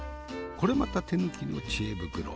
これまた手抜きの知恵袋。